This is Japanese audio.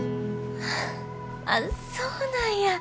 あっそうなんや。